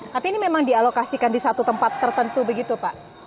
tapi ini memang dialokasikan di satu tempat tertentu begitu pak